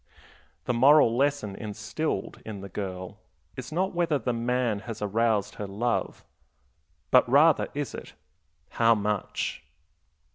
The moral lesson instilled in the girl is not whether the man has aroused her love, but rather is it, "How much?"